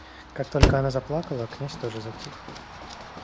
Как только она заплакала, князь тоже затих.